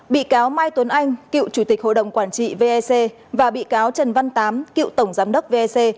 bị cáo mai tuấn anh cựu chủ tịch hội đồng quản trị vec và bị cáo trần văn tám cựu tổng giám đốc vec